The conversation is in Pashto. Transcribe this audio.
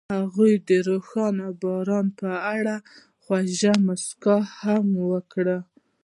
هغې د روښانه باران په اړه خوږه موسکا هم وکړه.